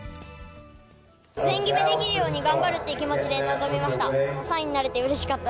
全決めできるように頑張るって気持ちで臨みました。